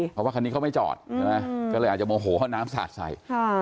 เพราะว่าคันนี้เขาไม่จอดใช่ไหมก็เลยอาจจะโมโหเอาน้ำสาดใส่